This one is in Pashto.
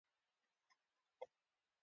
احمد د پسه غوښه قطره قطره کړه.